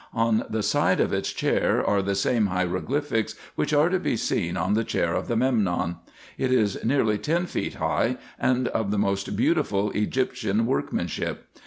On the side of its chair are the same hieroglyphics, which are to be seen on the chair of the Memnon. It is nearly ten feet high, and of the most beautiful Egyptian workmanship.